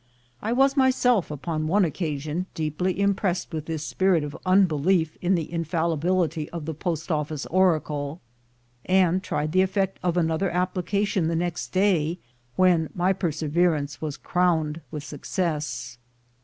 I was myself upon one occasion deeply im pressed with this spirit of unbelief in the infallibility of the post office oracle, and tried the effect of another application the next day, when my perseverance was crowned with success.